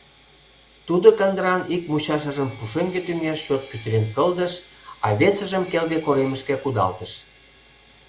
Тудо кандыран ик мучашыжым пушеҥге тӱҥеш чот пӱтырен кылдыш, а весыжым келге коремышке кудалтыш.